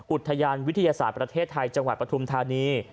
อุทยานวิทยาศาสตร์ประเทศไทยจังหวัดปฐุมธานี